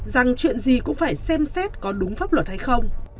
rằng chuyện gì cũng phải xem xét có đúng pháp luật hay không